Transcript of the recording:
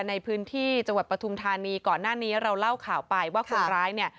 ในพื้นที่จังหวัดปฐุมธานีก่อนหน้านี้เราเล่าข่าวไปว่าคนร้ายเนี่ย